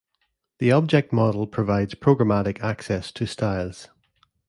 The object model provides programmatic access to styles.